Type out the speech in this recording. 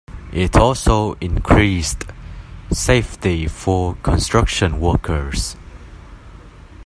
It also increased safety for construction workers.